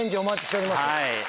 はい。